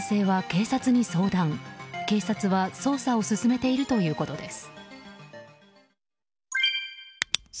警察は捜査を進めているということです。